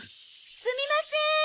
すみません。